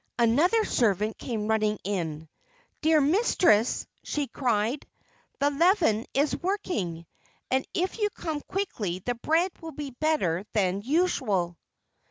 Another servant came running in. "Dear mistress," she cried, "the leaven is working, and if you come quickly the bread will be better than usual."